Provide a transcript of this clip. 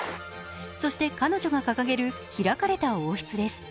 そして彼女が掲げる開かれた王室です。